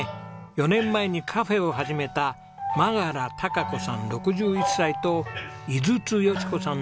４年前にカフェを始めた眞柄貴子さん６１歳と井筒佳子さん